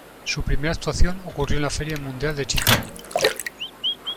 Su primera actuación ocurrió en la Feria Mundial de Chicago.